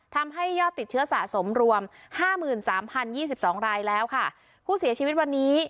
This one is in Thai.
ทำให้ยอดติดเชื้อสะสมรวมห้าหมื่นสามพันยี่สิบสองรายแล้วค่ะผู้เสียชีวิตวันนี้